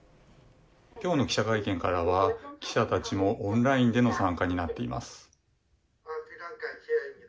今日の記者会見からは記者たちもオンラインでの参加になっています。